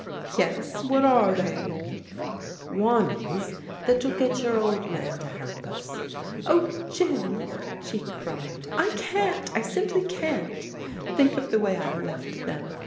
" Yes, what are they ?"" One is, that you'll get your old man to help us." " Oh, Jim," she cried, " I can't, I simply can't ! Think of the way I left them.